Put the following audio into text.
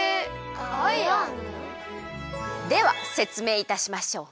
ではせつめいいたしましょう。